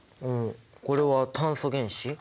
これは炭素原子？